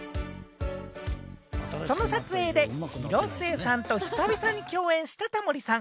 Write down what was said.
その撮影で広末さんと久々に共演したタモリさん。